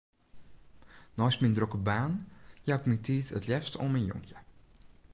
Neist myn drokke baan jou ik myn tiid it leafst oan myn jonkje.